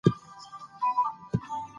آیا د هغې ږغ آسماني و؟